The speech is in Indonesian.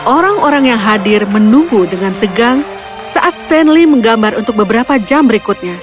orang orang yang hadir menunggu dengan tegang saat stanley menggambar untuk beberapa jam berikutnya